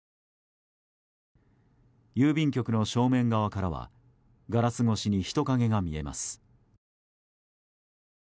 郵便局の正面側からはガラス越しに人影が見えます。